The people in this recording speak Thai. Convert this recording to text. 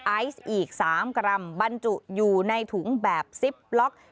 ไอซ์อีก๓กรัมบรรจุอยู่ในถุงแบบซิปล็อก